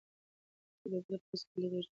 تاسي ته د دې پوسټ د لیدو اجازه نشته.